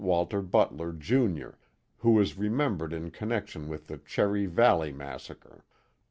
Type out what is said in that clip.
Walter Butler, Junior, who is remembered in con nection with the Cherry Valley massacre.